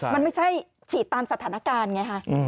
มันไม่ใช่ฉีดตามสถานการณ์ไงฮะ